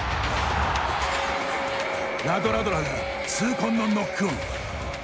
ラドラドラが痛恨のノックオン。